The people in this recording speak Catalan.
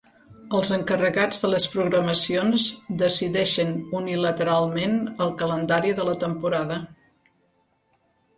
Els encarregats de les programacions decideixen unilateralment el calendari de la temporada.